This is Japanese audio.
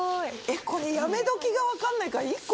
これやめ時が分かんないから。